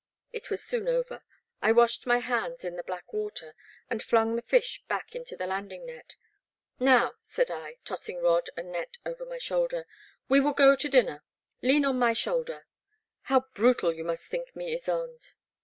It was soon over; I washed my hands in the black water, and flung the fish back into the landing net. '* Now,'* said I, tossing rod and net over my shoulder, we will go to dinner; lean on my shoulder ;— ^how brutal you must think me, Ysonde.'